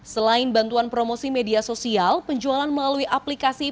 selain bantuan promosi media sosial penjualan melalui aplikasi